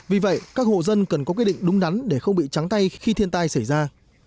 vì vậy các hộ dân cần có quyết định đúng đắn để không bị trắng tay khi thiên tai xảy ra